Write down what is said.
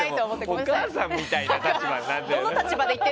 お母さんみたいな立場になってる。